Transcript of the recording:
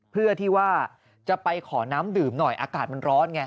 เพื่อที่ว่าจะไปขอน้ำดื่มหน่อยอากาศมันร้อนไง